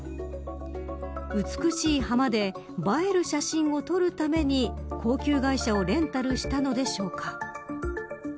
美しい浜で映える写真を撮るために高級外車をレンタルしたのでしょうか。